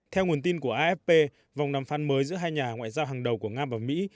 theo nguồn tin của afp vòng đàm phán mới giữa hai nhà ngoại giao hàng đầu của nga và mỹ